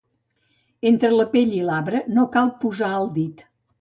Entre la pell i l'arbre no hi cal posar el dit.